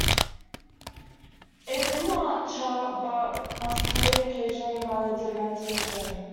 It did not chart but was played occasionally on the Demento show.